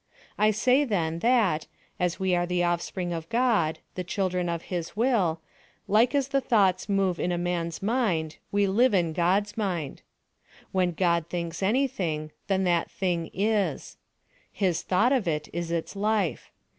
I say then, that, as we are the offspring of God the children of his will, like as the thoughts move in a man's mind, we live in God's mind. When God thinks anything, then that thing is. His thought of it is its life.